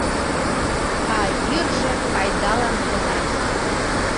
А йӱржӧ пайдалан гына...